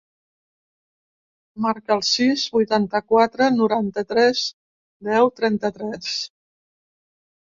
Marca el sis, vuitanta-quatre, noranta-tres, deu, trenta-tres.